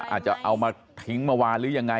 อาจจะเอามาทิ้งเมื่อวานหรือยังไง